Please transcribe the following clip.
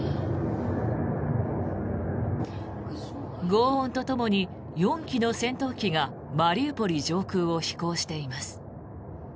ごう音とともに４機の戦闘機がマリウポリ上空を飛行しています。